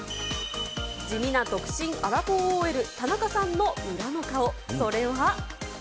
地味な独身アラフォーＯＬ、田中さんの裏の顔、それは。